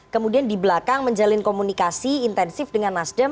kemudian di belakang menjalin komunikasi intensif dengan nasdem